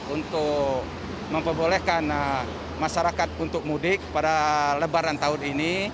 untuk memperbolehkan masyarakat untuk mudik pada lebaran tahun ini